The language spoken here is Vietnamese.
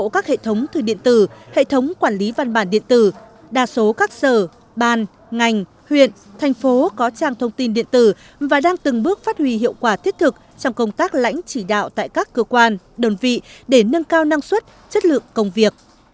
các hệ thống thư điện tử hệ thống quản lý văn bản điện tử đa số các sở ban ngành huyện thành phố có trang thông tin điện tử và đang từng bước phát huy hiệu quả thiết thực trong công tác lãnh chỉ đạo tại các cơ quan đơn vị để nâng cao năng suất chất lượng công việc